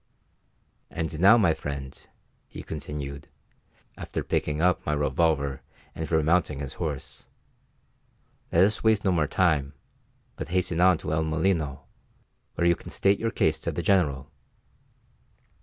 "And now, my friend," he continued, after picking up my revolver and remounting his horse, "let us waste no more time, but hasten on to El Molino, where you can state your case to the General."